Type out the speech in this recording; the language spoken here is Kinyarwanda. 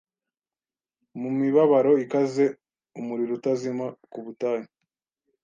Mu mibabaro ikaze umuriro utazima Ku butayu